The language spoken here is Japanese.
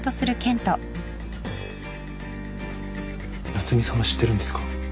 夏海さんは知ってるんですか？